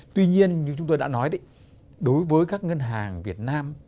tuy nhiên như chúng tôi đã nói đấy đối với các ngân hàng việt nam